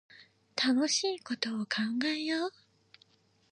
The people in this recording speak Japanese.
楽しいこと考えよう